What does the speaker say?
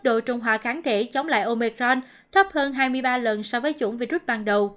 độ trung hòa kháng thể chống lại omecron thấp hơn hai mươi ba lần so với chủng virus ban đầu